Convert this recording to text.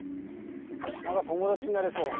何か友だちになれそう。